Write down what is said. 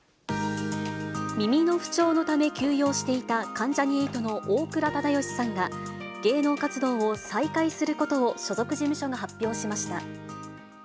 耳の不調のため休養していた関ジャニ∞の大倉忠義さんが、芸能活動を再開することを、所属事務所が発表しました。